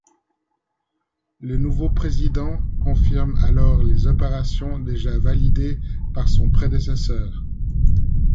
Le nouveau président confirme alors les opérations déjà validées par son prédécesseur.